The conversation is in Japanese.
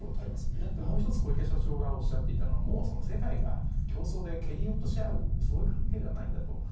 もう１つ、小池社長がおっしゃっていたのはもう、世界が競争で蹴り落とし合うそういう関係ではないんだと。